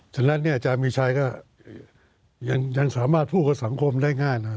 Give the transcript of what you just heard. ฉะนั้นเนี่ยอาจารย์มีชัยก็ยังสามารถพูดกับสังคมได้ง่ายนะครับ